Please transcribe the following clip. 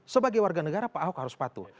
sebagai warga negara pak ahok harus patuh